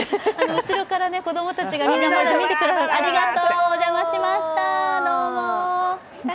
後ろから子供たちがまだ見てくれてるありがとう、お邪魔しましたどうも！